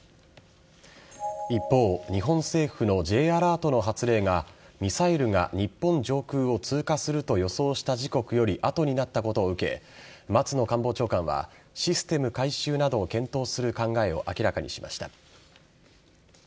一方日本政府のＪアラートの発令がミサイルが日本上空を通過すると予想した時刻より後になったことを受け松野官房長官はシステム改修などを検討する考えを明らかにしました。